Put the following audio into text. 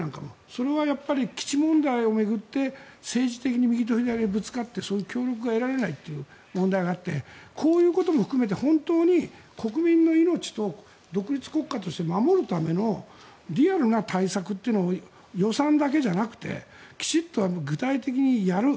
それは基地問題を巡って政治的に右と左がぶつかってそういう協力が得られないという問題があってこういうことも含めて本当に国民の命と独立国家として守るためのリアルな対策というのを予算だけじゃなくてきちんと具体的にやる。